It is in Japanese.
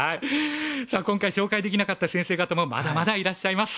さあ今回紹介できなかった先生方もまだまだいらっしゃいます。